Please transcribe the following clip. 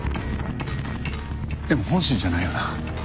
でも本心じゃないよな？